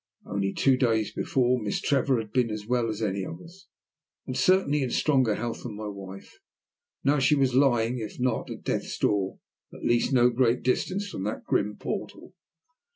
Only two days before Miss Trevor had been as well as any of us, and certainly in stronger health than my wife. Now she was lying, if not at death's door, at least at no great distance from that grim portal.